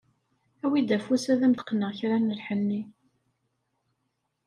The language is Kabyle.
Awi-d afus ad am-d-qqneɣ kra n lḥenni.